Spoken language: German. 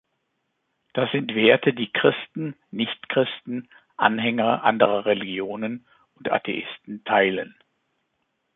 Das sind Werte, die Christen, Nichtchristen, Anhänger anderer Religionen und Atheisten teilen.